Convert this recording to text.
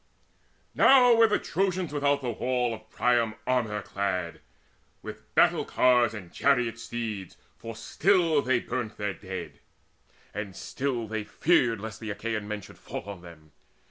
Now were the Trojans all without the town Of Priam, armour clad, with battle cars And chariot steeds; for still they burnt their dead, And still they feared lest the Achaean men Should fall on them.